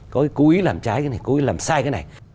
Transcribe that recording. có cái cố ý làm trái cái này cố ý làm sai cái này